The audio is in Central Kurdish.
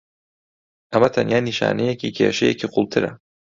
ئەمە تەنیا نیشانەیەکی کێشەیەکی قوڵترە.